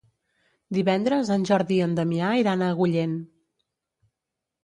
Divendres en Jordi i en Damià iran a Agullent.